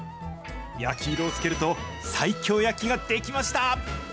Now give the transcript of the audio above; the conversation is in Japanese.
焼き色をつけると、西京焼きが出来ました。